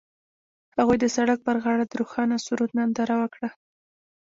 هغوی د سړک پر غاړه د روښانه سرود ننداره وکړه.